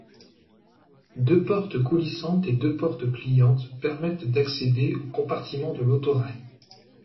Deux portes coulissantes et deux portes pliantes permettent d'accéder au compartiment de l'autorail.